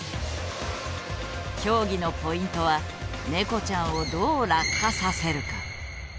競技のポイントはネコちゃんをどう落下させるか？